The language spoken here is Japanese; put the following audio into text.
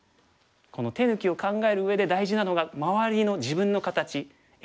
この手抜きを考えるうえで大事なのが周りの自分の形援軍がいるかな？